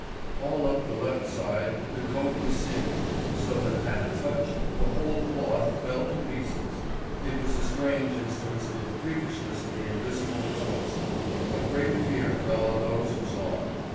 All up the left side the coat was singed so that at a touch the whole cloth fell to pieces. It was a strange instance of the freakishness of the invisible force. A great fear fell on those who saw.